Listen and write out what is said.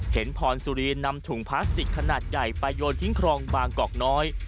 พรสุรีนำถุงพลาสติกขนาดใหญ่ไปโยนทิ้งครองบางกอกน้อย